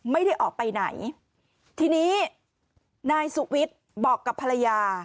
ไม่ได้ออกไปไหนทีนี้นายสุวิทย์บอกกับภรรยา